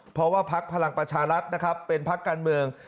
เพราะว่าพักพลังประชารัฐนะครับเป็นพักการเมือง